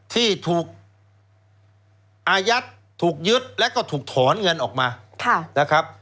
ที่ถูกอายัดถูกยึดแล้วก็ถูกถอนเงินออกมานะครับ